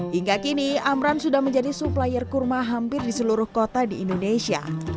hingga kini amran sudah menjadi supplier kurma hampir di seluruh kota di indonesia